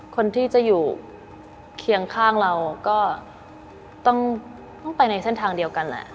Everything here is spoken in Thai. คนที่จะอยู่เคียงข้างเราก็ต้องไปในเส้นทางเดียวกันแหละ